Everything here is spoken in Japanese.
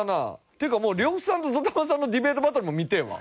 っていうかもう呂布さんとＤＯＴＡＭＡさんのディベートバトルも見てえわ。